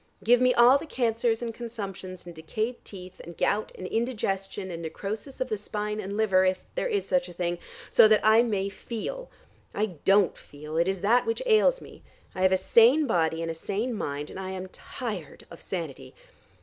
Give me all the cancers and consumptions and decayed teeth, and gout and indigestion and necrosis of the spine and liver if there is such a thing, so that I may feel. I don't feel: it is that which ails me. I have a sane body and a sane mind, and I am tired of sanity.